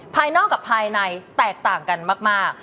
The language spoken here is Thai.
ภายนอกกับภายในแตกต่างกันมาก